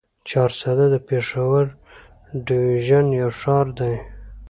چارسده د پېښور ډويژن يو ښار دی.